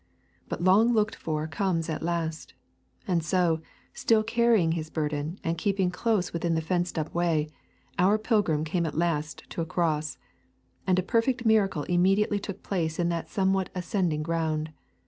But long looked for comes at last. And so, still carrying his burden and keeping close within the fenced up way, our pilgrim came at last to a cross. And a perfect miracle immediately took place in that somewhat ascending ground.